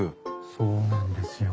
そうなんですよ。